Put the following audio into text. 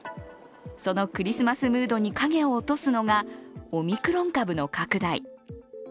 そのクリスマスムードに影を落とすのがオミクロン株の拡大。